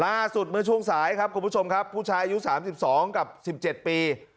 ล่าสุดมือช่วงสายครับคุณผู้ชมครับผู้ชายอายุสามสิบสองกับสิบเจ็ดปี